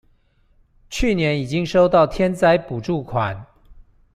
去年已經收到天災補助款